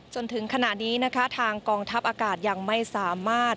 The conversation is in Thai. จนถึงขณะนี้นะคะทางกองทัพอากาศยังไม่สามารถ